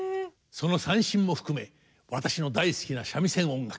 その三線も含め私の大好きな三味線音楽